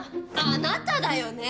あなただよね？